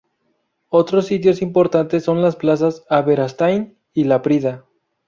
Otros sitios importantes son las plazas Aberastain y Laprida.